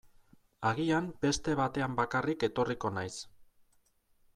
Agian beste batean bakarrik etorriko naiz.